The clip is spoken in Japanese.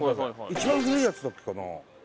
一番古いやつだっけかな？